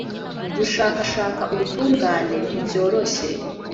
Gushakashaka ubutungane ntibyoroshye